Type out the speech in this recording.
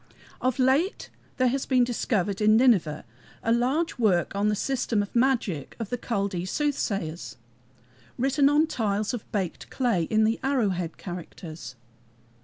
Of late there has been discovered in Nineveh a large work on the system of magic of the Chaldee soothsayers, written on tiles of baked clay, in the "arrow head" characters.